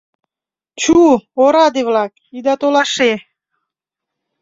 Чу, ораде-влак, ида толаше.